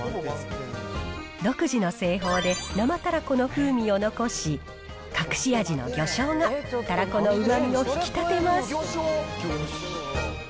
独自の製法で、生たらこの風味を残し、隠し味の魚醤が、たらこのうまみを引き立てます。